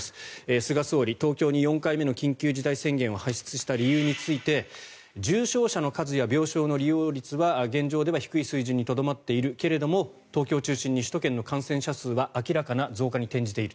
菅総理、東京に４回目の緊急事態宣言を発出した理由について重症者の数や病床の利用率は現状では低い水準にとどまっているけれども東京を中心に首都圏の感染者数は明らかな増加に転じている。